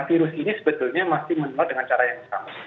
virus ini sebetulnya masih menular dengan cara yang sama